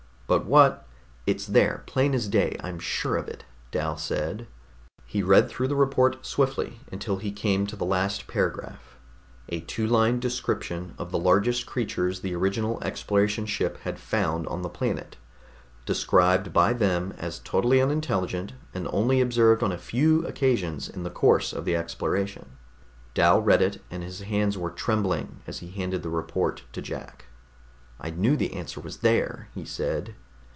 "But what...." "It's there, plain as day, I'm sure of it," Dal said. He read through the report swiftly, until he came to the last paragraph a two line description of the largest creatures the original Exploration Ship had found on the planet, described by them as totally unintelligent and only observed on a few occasions in the course of the exploration. Dal read it, and his hands were trembling as he handed the report to Jack. "I knew the answer was there!" he said.